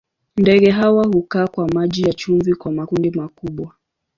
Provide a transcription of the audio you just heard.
Ndege hawa hukaa kwa maji ya chumvi kwa makundi makubwa.